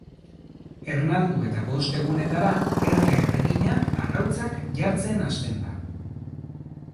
Ernaldu eta bost egunetara erle erregina arrautzak jartzen hasten da.